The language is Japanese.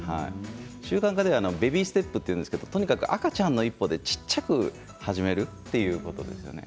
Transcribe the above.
習慣化ではベビーステップというんですけれども、とにかく赤ちゃんの１歩で小さく始めるということですね